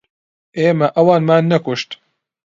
ئێمە ئەوانمان نەکوشت.